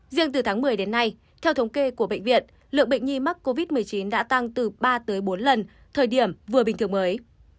riêng từ tháng một mươi đến nay theo thống kê của bệnh viện lượng bệnh nhi mắc covid một mươi chín đã tăng từ ba bốn lần thời điểm vừa bình thường mới